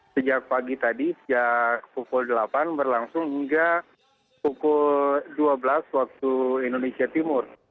sejak pagi tadi sejak pukul delapan berlangsung hingga pukul dua belas waktu indonesia timur